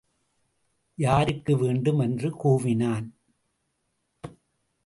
யாருக்கு வேண்டும்? என்று கூவினான்.